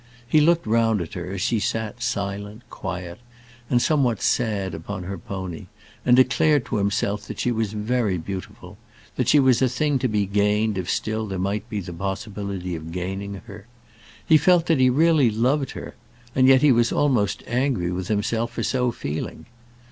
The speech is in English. He looked round at her, as she sat silent, quiet, and somewhat sad upon her pony, and declared to himself that she was very beautiful, that she was a thing to be gained if still there might be the possibility of gaining her. He felt that he really loved her, and yet he was almost angry with himself for so feeling.